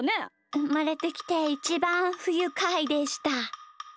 うまれてきていちばんふゆかいでした。